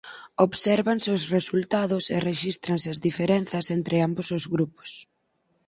Obsérvanse os resultados e rexístranse as diferenzas entre ambos os grupos.